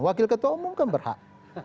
wakil ketua umum kan berhak